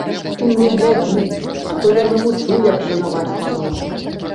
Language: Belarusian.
Ты мне глядзі, а то я навучу, як шанаваць паноў!